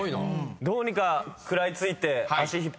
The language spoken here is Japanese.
どうにか食らいついて。